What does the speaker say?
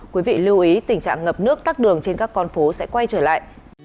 quý vị lưu ý tình trạng ngập nước tắt đường trên các con phố sẽ quay trở lại